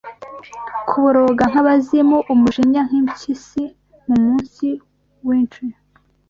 Kuboroga nkabazimu, umujinya nkimpyisi Mumunsi wintry